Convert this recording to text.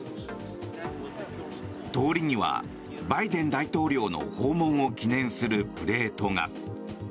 通りにはバイデン大統領の訪問を記念するプレートが。